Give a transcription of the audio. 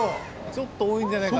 ちょっと多いんじゃない？